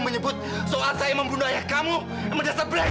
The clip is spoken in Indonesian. menyebut soal saya membunuh ayah kamu mendesak beres